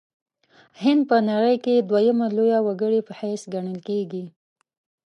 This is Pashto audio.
هند په نړۍ کې دویمه لویه وګړې په حیث ګڼل کیږي.